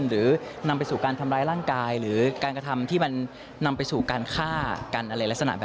หรือนำไปสู่การทำร้ายร่างกายหรือการกระทำที่มันนำไปสู่การฆ่ากันอะไรลักษณะแบบนี้